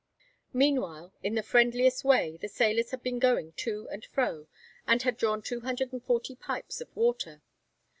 Meanwhile, in the friendliest way, the sailors had been going to and fro, and had drawn 240 pipes of water.